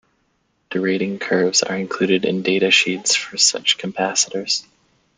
Derating curves are included in data sheets for such capacitors.